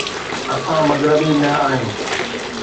اسان مغربي نه آهيون.